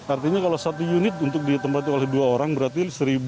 artinya kalau satu unit untuk ditempatkan oleh dua orang berarti satu lima puluh empat